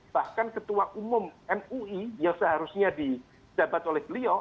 bahkan ketua umum mui yang seharusnya didapat oleh beliau